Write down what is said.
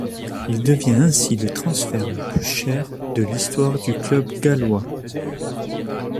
Il devient ainsi le transfert le plus cher de l'histoire du club gallois.